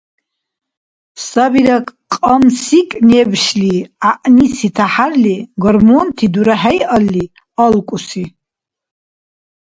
Сабира кьамсикӀ-небшли гӀягӀниси тяхӀярли гормонти дурахӀейалли алкӀуси.